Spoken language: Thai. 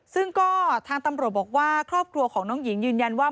ซึ่งก็ทางตำรวจบอกว่าครอบครัวของน้องหญิงยืนยันว่า